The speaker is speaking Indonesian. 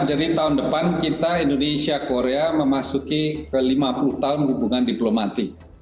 jadi tahun depan kita indonesia korea memasuki ke lima puluh tahun hubungan diplomatik